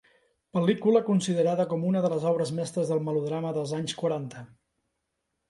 Pel·lícula considerada com una de les obres mestres del melodrama dels anys quaranta.